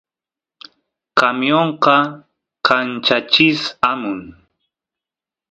camionqa kanchachis amun